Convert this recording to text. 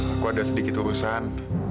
aku ada sedikit urusan